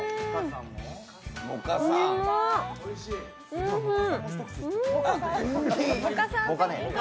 おいしい！